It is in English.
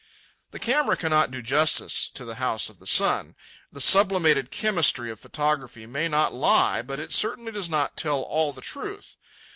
The camera cannot do justice to the House of the Sun. The sublimated chemistry of photography may not lie, but it certainly does not tell all the truth.